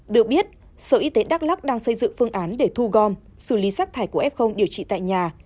được biết sở y tế đắk lắc đang xây dựng phương án để thu gom xử lý rác thải của f điều trị tại nhà